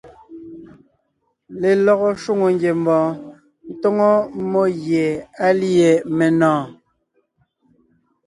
Lelɔgɔ shwòŋo ngiembɔɔn tóŋo mmó gie á lîe menɔ̀ɔn.